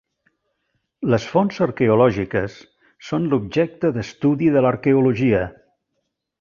Les fonts arqueològiques són l'objecte d'estudi de l'arqueologia.